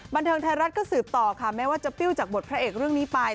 บันเทิงไทยรัฐก็สืบต่อค่ะแม้ว่าจะปิ้วจากบทพระเอกเรื่องนี้ไป